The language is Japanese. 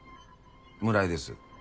村井です。